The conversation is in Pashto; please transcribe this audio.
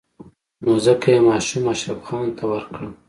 نو ځکه يې ماشوم اشرف خان ته ورکړ.